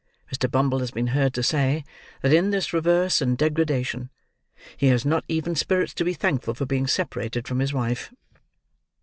Mr. Bumble has been heard to say, that in this reverse and degradation, he has not even spirits to be thankful for being separated from his wife.